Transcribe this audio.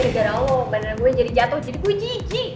ya tuhan beneran gue jadi jatuh jadi gue jijik